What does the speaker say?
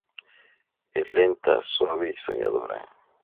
Es lenta, suave y soñadora.